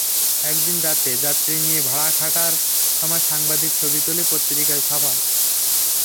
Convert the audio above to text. একদিন রাতে যাত্রী নিয়ে ভাড়া খাটার সময় সাংবাদিক ছবি তোলে পত্রিকায় ছাপায়।